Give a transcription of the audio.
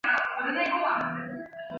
嘉佑寺的历史年代为清代。